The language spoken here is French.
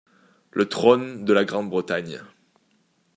Le trône de la Grande-Bretagne.